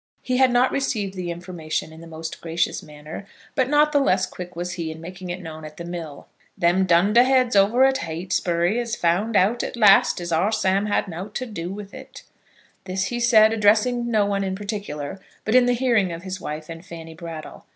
He had not received the information in the most gracious manner; but not the less quick was he in making it known at the mill. "Them dunderheads over at He'tsbry has found out at last as our Sam had now't to do with it." This he said, addressing no one in particular, but in the hearing of his wife and Fanny Brattle.